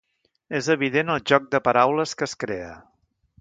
És evident el joc de paraules que es crea.